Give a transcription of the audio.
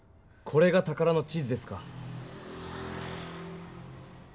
これが宝の地図ですか。